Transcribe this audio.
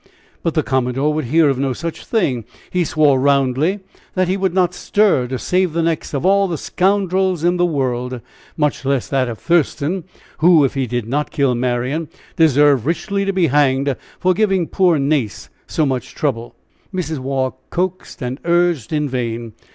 But the commodore would hear of no such thing. He swore roundly that he would not stir to save the necks of all the scoundrels in the world, much less that of Thurston, who, if he did not kill Marian, deserved richly to be hanged for giving poor Nace so much trouble. Mrs. Waugh coaxed and urged in vain.